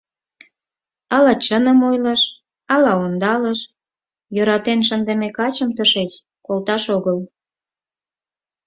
Ала чыным ойлыш, ала ондалыш: йӧратен шындыме качым тышеч колташ огыл.